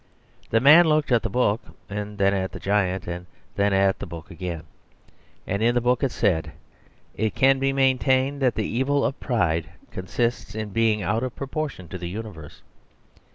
The man looked at the book and then at the giant, and then at the book again. And in the book it said, "It can be maintained that the evil of pride consists in being out of proportion to the universe."